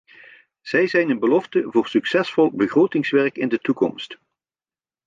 Zij zijn een belofte voor succesvol begrotingswerk in de toekomst.